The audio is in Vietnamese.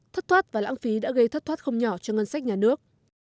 thất thoát và lãng phí đã gây thất thoát không nhỏ cho ngân sách nhà nước